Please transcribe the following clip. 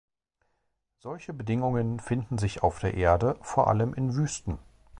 Solche Bedingungen finden sich auf der Erde vor allem in Wüsten.